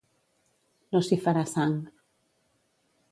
No s'hi farà sang.